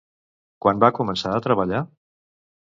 Quan va començar a treballar?